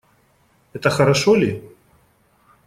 Это хорошо ли?